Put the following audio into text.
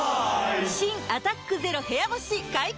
新「アタックＺＥＲＯ部屋干し」解禁‼